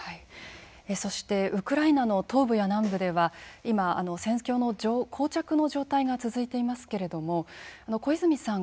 そしてウクライナの東部や南部では今戦況のこう着の状態が続いていますけれども小泉さん